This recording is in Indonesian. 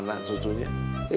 pulang kampung ketemu anak susunya